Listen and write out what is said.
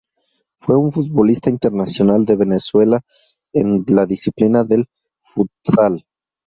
Fue un futbolista internacional de Venezuela en la disciplina del futsal.